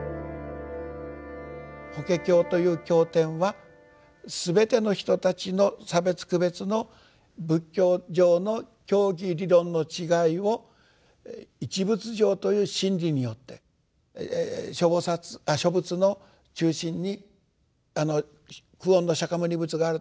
法華経という経典は全ての人たちの差別区別の仏教上の教義理論の違いを「一仏乗」という真理によって諸仏の中心に久遠の釈牟尼仏があると。